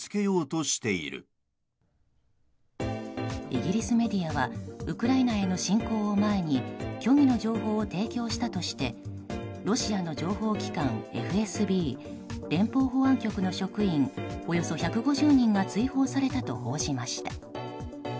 イギリスメディアはウクライナへの侵攻を前に虚偽の情報を提供したとしてロシアの情報機関ＦＳＢ・連邦保安局の職員およそ１５０人が追放されたと報じました。